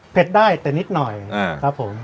ได้แต่นิดหน่อยครับผม